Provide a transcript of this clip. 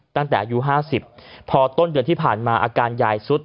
ตั้งแต่อายุ๕๐พอต้นเดือนที่ผ่านมาอาการยายสุด